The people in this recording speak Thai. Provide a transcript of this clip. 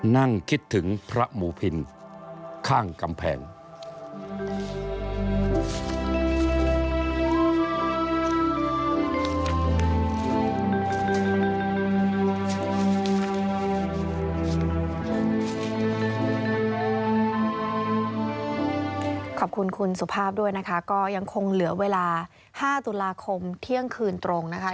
นั่งคิดถึงพระหมูพินข้างกำแพง